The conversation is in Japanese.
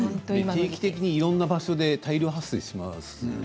定期的にいろいろな場所で大量発生しますよね